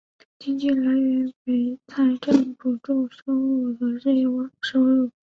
经费来源为财政补助收入和事业收入。